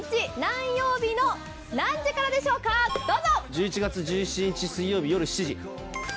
１１月１７日水曜日夜７時。